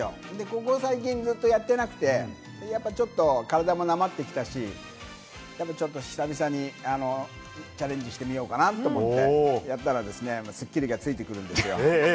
ここ最近ずっとやってなくて、ちょっと体もなまってきたし、久々にチャレンジしてみようかなと思ってやったらですね、『スッキリ』がついてくるんですよ。